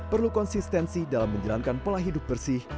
perlu konsistensi dalam menjalankan pola hidup bersih